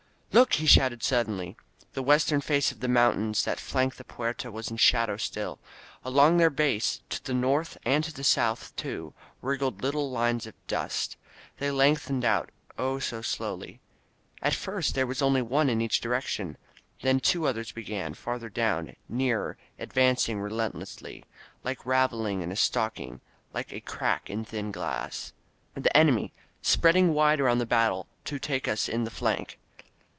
Look!" he shouted suddenly. The western face of the mountains that flanked the Puerta was in shadow still. Along their base, to the north and to the south, too, wriggled little thin lines of dust. They lengthened out — Oh so slowly. At first there was only one in each direction; then two others began, farther down, nearer, advancing relentlessly, like raveling in a stock ing — ^like a crack in thin glass. The enemy, spreading wide around the battle, to take us in the flank